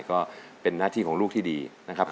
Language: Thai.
ก็เป็นหน้าที่ของลูกที่ดีนะครับ